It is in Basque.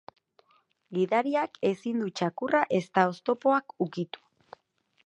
Gidariak ezin du txakurra ezta oztopoak ukitu.